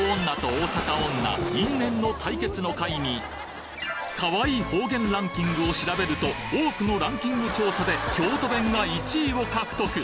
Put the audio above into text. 因縁の対決の回に可愛い方言ランキングを調べると多くのランキング調査で京都弁が１位を獲得！